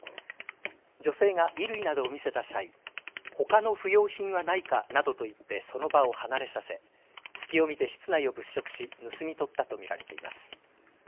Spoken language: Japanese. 女性が衣類などを見せた際、ほかの不用品はないかなどと言って、その場を離れさせ隙を見て室内を物色し盗み取ったと見られています。